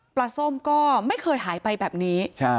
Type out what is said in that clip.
ส้มก็ไม่เคยหายไปแบบนี้